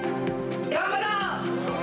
頑張ろう。